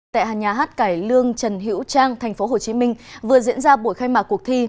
tại hà nhá hát cải lương trần hiễu trang tp hcm vừa diễn ra buổi khai mạc cuộc thi